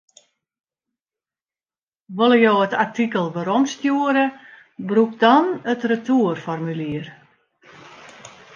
Wolle jo it artikel weromstjoere, brûk dan it retoerformulier.